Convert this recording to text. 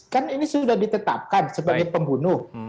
kan ini sudah ditetapkan sebagai pembunuh